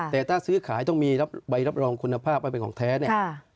แต่ถ้าซื้อขายต้องมีใบรับรองคุณภาพไว้เป็นของแท้เนี่ย